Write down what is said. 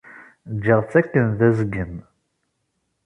Ǧǧiɣ-tt akken d azgen.